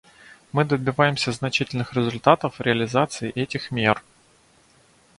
Мы добиваемся значительных результатов в реализации этих мер.